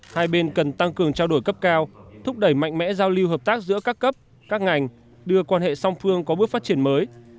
hai bên cần tăng cường trao đổi cấp cao thúc đẩy mạnh mẽ giao lưu hợp tác giữa các cấp các ngành đưa quan hệ song phương có bước phát triển mới